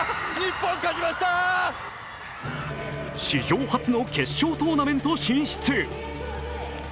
史上初の決勝トーナメント進出。